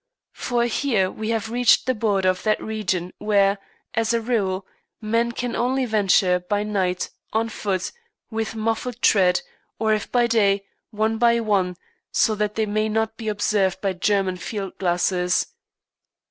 For here we have reached the border of that region where, as a rule, men can only venture by night, on foot, with muffled tread; or if by day, one by one, so that they may not be observed by German field glasses.